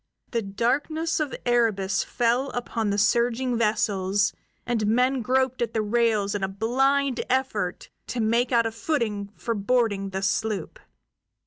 The darkness of Erebus fell upon the surging vessels, and men groped at the rails in a blind effort to make out a footing for boarding the sloop.